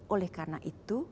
oleh karena itu